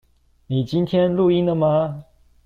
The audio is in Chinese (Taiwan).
你今天錄音了嗎？